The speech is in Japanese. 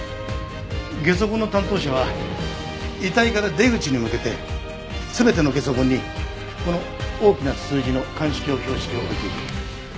ゲソ痕の担当者は遺体から出口に向けて全てのゲソ痕にこの大きな数字の鑑識用標識を置いていく。